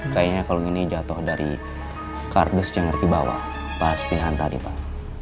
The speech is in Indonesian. kayaknya kalung ini jatuh dari kardus yang rkb bawa pas pindahan tadi pak